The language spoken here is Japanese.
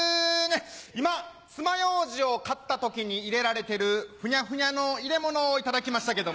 今つまようじを買った時に入れられてるフニャフニャの入れ物を頂きましたけども。